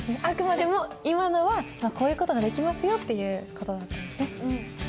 あくまでも今のは「こういう事もできますよ」っていう事だからねっ。